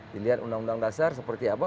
dilihat undang undang dasar seperti apa